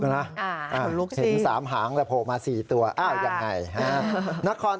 ขนลุกนะฮะเห็น๓หางแล้วโผล่มา๔ตัวอย่างไร